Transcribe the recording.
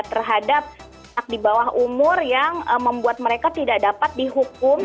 terhadap anak di bawah umur yang membuat mereka tidak dapat dihukum